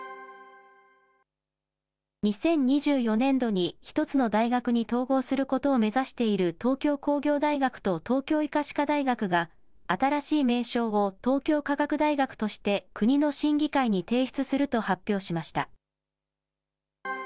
２０２４年度に１つの大学に統合することを目指している東京工業大学と東京医科歯科大学が、新しい名称を東京科学大学として国の審議会に提出すると発表しました。